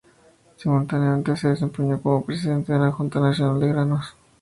Simultáneamente se desempeñó como presidente de la Junta Nacional de Granos.